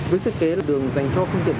việc thiết kế đường dành cho phương tiện